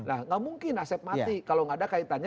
enggak mungkin asep mati kalau enggak ada kaitannya